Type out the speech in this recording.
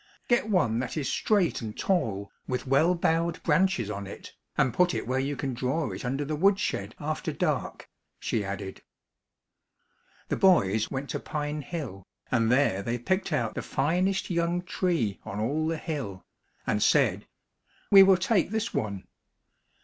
"Get one that is straight and tall, with well boughed branches on it, and put it where you can draw it under the wood shed after dark," she added. The boys went to Pine Hill, and there they picked out the finest young tree on all the hill, and said, "We will take this one."